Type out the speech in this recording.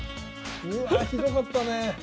うわあひどかったねえ。